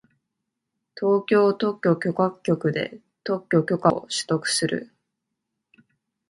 東京特許許可局で特許許可を取得する